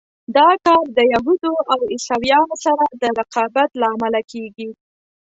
دا کار د یهودو او عیسویانو سره د رقابت له امله کېږي.